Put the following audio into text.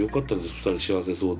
２人幸せそうで。